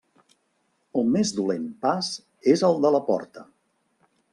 El més dolent pas és el de la porta.